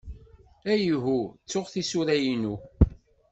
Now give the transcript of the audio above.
Ihuh, ttuɣ tisura-inu.